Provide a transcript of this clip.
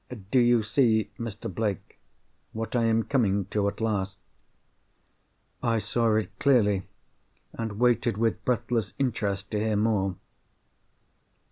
—Do you see, Mr. Blake, what I am coming to at last?" I saw it clearly, and waited with breathless interest to hear more.